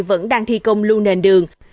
vẫn đang thi công lưu nền đường